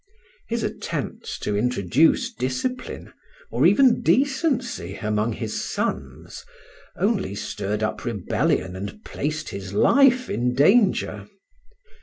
His attempts to introduce discipline, or even decency, among his "sons," only stirred up rebellion and placed his life in danger.